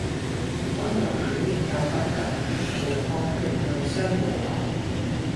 君王掩面救不得，回看血淚相和流。